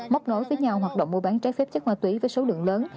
móc nối với nhau hoạt động mua bán trái phép chất ma túy với số lượng lớn